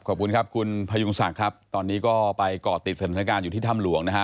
ขอบคุณครับคุณพยุงศักดิ์ครับตอนนี้ก็ไปเกาะติดสถานการณ์อยู่ที่ถ้ำหลวงนะฮะ